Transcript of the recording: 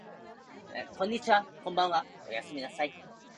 こんにちはこんばんはおやすみなさい